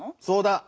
そうだ。